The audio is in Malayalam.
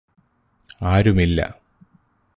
ആരുമില്ല